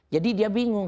jadi dia bingung